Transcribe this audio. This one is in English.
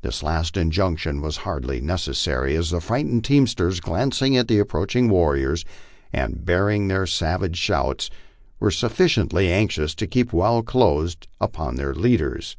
This last injunction was hardly necessary, as the fright ened teamsters, glancing at the approaching warriors and hearing their savage shouts, were sufficiently anxious to keep well closed upon their leaders.